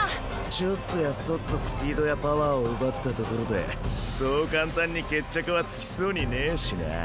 ちょっとやそっとスピードやパワーを奪ったところでそう簡単に決着はつきそうにねぇしな。